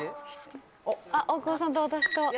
あっ大久保さんと私と。